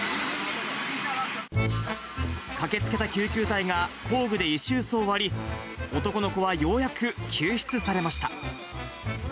駆けつけた救急隊が、工具で石うすを割り、男の子はようやく救出されました。